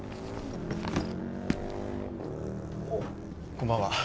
こんばんは。